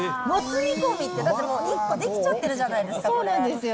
もつ煮込みって、だってもう、１個出来ちゃってるじゃないですか。